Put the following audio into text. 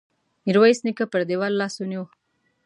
ميرويس نيکه پر دېوال لاس ونيو.